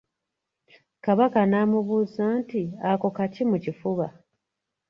Kabaka n’amubuuza nti ako kaki mu kifuba?